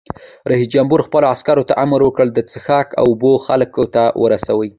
رئیس جمهور خپلو عسکرو ته امر وکړ؛ د څښاک اوبه خلکو ته ورسوئ!